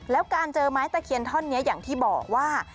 แล้วการเจอไม้ตะเคียนท่อนนี้อย่างที่บอกว่า